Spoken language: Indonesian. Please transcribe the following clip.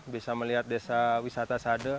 bisa melihat desa wisata sade